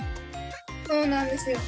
そうなんですよ。